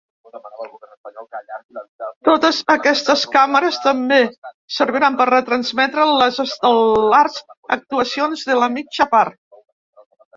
Totes aquestes càmeres també serviran per retransmetre les estel·lars actuacions de la mitja part.